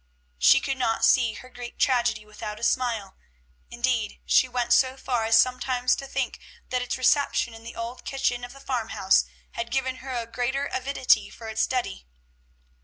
She could not see her Greek Tragedy without a smile, indeed, she went so far as sometimes to think that its reception in the old kitchen of the farmhouse had given her a greater avidity for its study.